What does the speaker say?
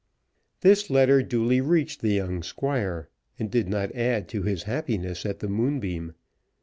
This letter duly reached the young Squire, and did not add to his happiness at the Moonbeam.